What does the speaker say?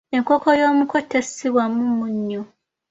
Enkoko y’omuko tessibwamu munnyo.